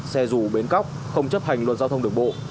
xe dù bến cóc không chấp hành luật giao thông đường bộ